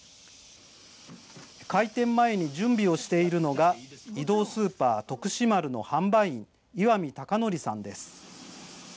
開店前に準備をしているのが移動スーパー「とくし丸」の販売員・岩見隆則さん。